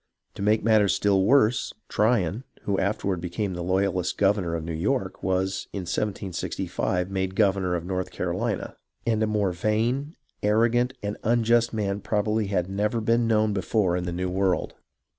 To make matters still worse, Tryon, who afterward became the loyalist governor of New 22 THE FIRST BLOODSHED 23 York, was, in 1765, made governor of North Carolina, and a more vain, arrogant, and unjust man probably never had been known before in the New World.